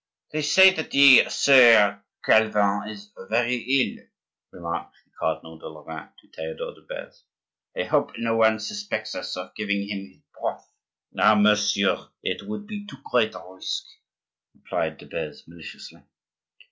"They say that the Sieur Calvin is very ill," remarked the Cardinal de Lorraine to Theodore de Beze. "I hope no one suspects us of giving him his broth." "Ah! monseigneur; it would be too great a risk," replied de Beze, maliciously.